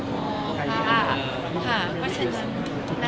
ค่ะเพราะฉะนั้น